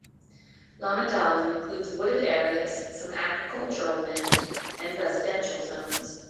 Lommedalen includes wooded areas, some agricultural land, and residential zones.